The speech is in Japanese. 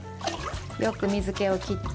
よく水けを切って。